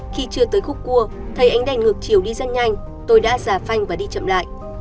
khi chưa tới khúc cua thấy ánh đèn ngược chiều đi rất nhanh tôi đã giả phanh và đi chậm lại